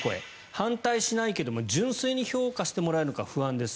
反対しないけれど純粋に評価してもらえるのか不安です。